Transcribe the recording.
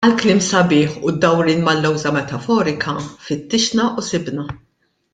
Għall-kliem sabiħ u d-dawrien mal-lewża metaforika, fittixna u sibna.